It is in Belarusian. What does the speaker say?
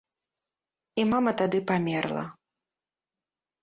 І мама тады памерла.